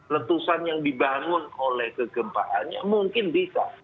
letusan yang dibangun oleh kegempaannya mungkin bisa